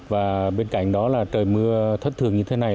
và bên cạnh đó là trời mưa thất thường như thế này